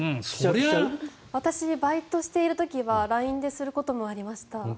私、バイトしている時はＬＩＮＥですることもありました。